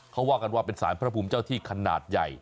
เขาว่ากันว่าเป็นสารพระภูมิเจ้าที่ขนาดใหญ่